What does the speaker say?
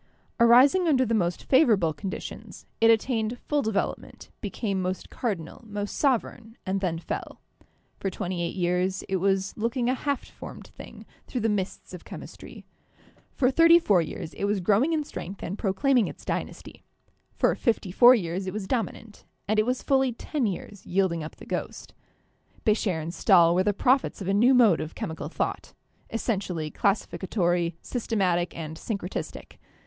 Arising under the most favorable conditions, it attained full development, became most cardinal, most sovereign, and then fell. For twenty eight years it was looking a half formed thing through the mists of chemistry; for thirty four years it was growing in strength and proclaim ing its dynasty; for fifty four years it was dominant, and it was fully ten years yielding up the ghost. Becher and Stahl were the prophets of a new mode of chemical thought, essentially classificatory, systematic, and syncre tistic.